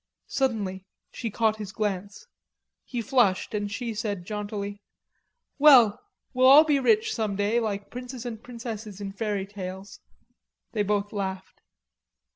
Suddenly she caught his glance. He flushed, and she said jauntily: "Well, we'll all be rich some day, like princes and princesses in fairy tales." They both laughed.